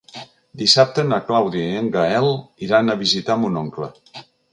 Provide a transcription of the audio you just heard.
Dissabte na Clàudia i en Gaël iran a visitar mon oncle.